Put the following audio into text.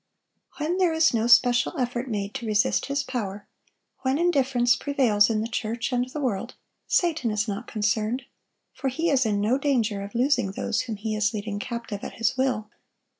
When there is no special effort made to resist his power, when indifference prevails in the church and the world, Satan is not concerned; for he is in no danger of losing those whom he is leading captive at his will.